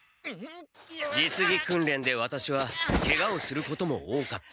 実技訓練でワタシはケガをすることも多かった。